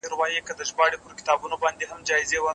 د کفائت يا سيالۍ موضوع ته جدي پام کول